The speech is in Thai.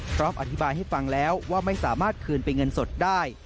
พร้อมอธิบายให้ฟังแล้วว่าไม่สามารถคืนเป็นเงินสดได้